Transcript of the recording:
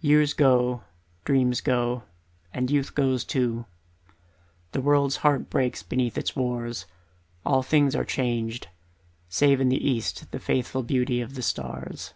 Years go, dreams go, and youth goes too, The world's heart breaks beneath its wars, All things are changed, save in the east The faithful beauty of the stars.